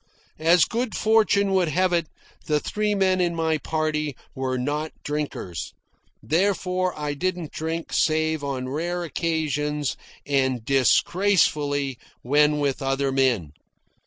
As good fortune would have it, the three men in my party were not drinkers. Therefore I didn't drink save on rare occasions and disgracefully when with other men.